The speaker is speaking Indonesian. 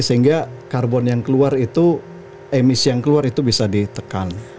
sehingga karbon yang keluar itu emisi yang keluar itu bisa ditangkap